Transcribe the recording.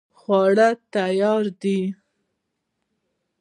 خواړه تیار دي